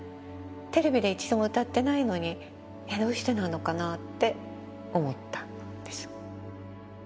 テレビで一度も歌ってないのに、どうしてなのかなって思ったんです。